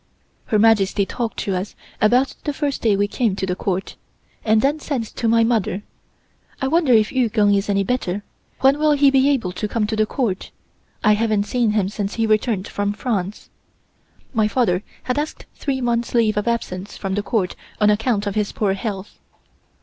Her Majesty talked to us about the first day we came to the Court, and then said to mother: "I wonder if Yu Keng is any better. When will he be able to come to the Court? I haven't seen him since he returned from France." (My father had asked three months leave of absence from the Court on account of his poor health.)